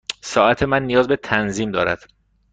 ساعت من نیاز به تنظیم دارد.